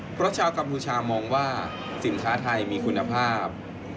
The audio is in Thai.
เพราะชาวกัมพูชามองว่าสินค้าไทยมีคุณภาพ